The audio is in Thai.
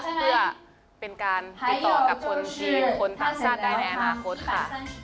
เพื่อเป็นการติดต่อกับคนจีนคนภาษาได้ในอังกฤษค่ะ